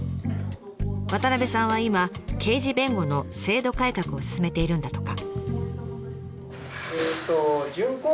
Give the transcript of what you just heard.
渡さんは今刑事弁護の制度改革を進めているんだとか。